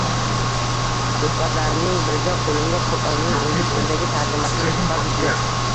Suhbatlarning birida qo`limga Qur`onning ingliz tilidagi tarjimasini tutqazishdi